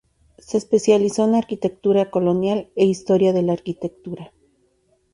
Se especializó en arquitectura colonial e historia de la arquitectura.